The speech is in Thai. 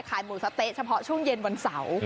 หมูสะเต๊ะเฉพาะช่วงเย็นวันเสาร์